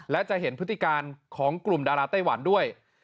และจะเห็นพฤติการของกลุ่มดาราไต้หวันด้วย